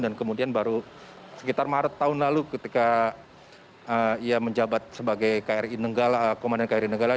dan kemudian baru sekitar maret tahun lalu ketika ia menjabat sebagai komandan kri nanggala